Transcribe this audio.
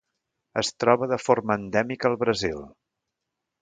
Es troba de forma endèmica al Brasil.